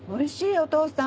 お父さん！